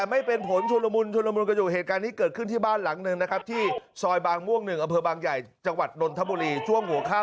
มันแล้ว